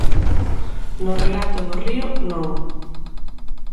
No relato do río, non.